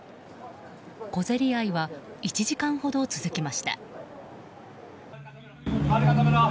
小競り合いは１時間ほど続きました。